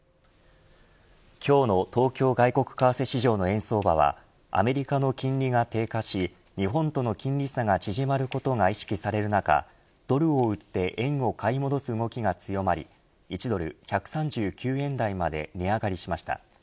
今日の東京外国為替市場の円相場はアメリカの金利が低下し日本との金利差が縮まることが意識される中ドルを売って円を買い戻す動きが強まり１ドル１３９円台まで値上がりしました。